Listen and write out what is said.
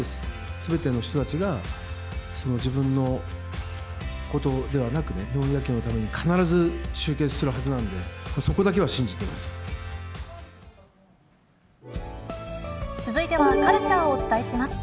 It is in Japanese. すべての人たちが、自分のことではなくね、日本野球のために必ず集結するはずなんで、そこだけは信じていま続いては、カルチャーをお伝えします。